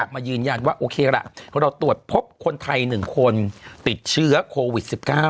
มายืนยันว่าโอเคล่ะเราตรวจพบคนไทย๑คนติดเชื้อโควิด๑๙